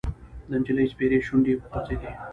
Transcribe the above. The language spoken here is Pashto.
د نجلۍ سپېرې شونډې وخوځېدې: